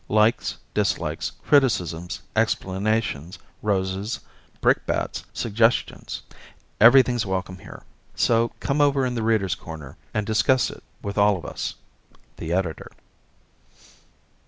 Likes, dislikes, criticisms, explanations, roses, brickbats, suggestions everything's welcome here; so "come over in 'The Readers' Corner'" and discuss it with all of us! _The Editor.